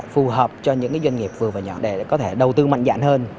phù hợp cho những doanh nghiệp vừa và nhỏ đẻ để có thể đầu tư mạnh dạn hơn